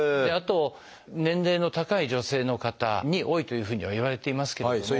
あと年齢の高い女性の方に多いというふうにはいわれていますけれども。